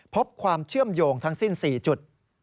พบความเชื่อมโยงทั้งสิ้น๔จุด